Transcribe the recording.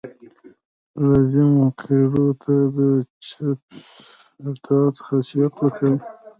رزین قیرو ته د چسپش او ارتجاعیت خاصیت ورکوي